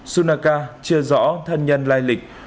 sunaka chia rõ thân nhân lai lịch